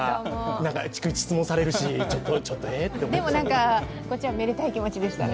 逐一質問されるし、ちょっとえーってでも、こっちはめでたい気持ちでしたね。